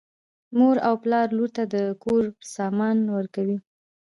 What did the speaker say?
مور او پلار لور ته د کور سامان ورکوي.